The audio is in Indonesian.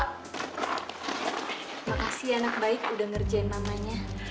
makasih ya anak baik udah ngerjain mamanya